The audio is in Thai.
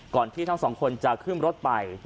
ที่ทั้งสองคนจะขึ้นรถไป